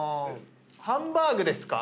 ハンバーグですか？